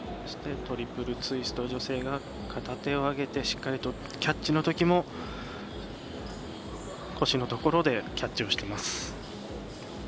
そして、トリプルツイスト女性が片手を上げてしっかりとキャッチのときも腰のところでキャッチをしてます。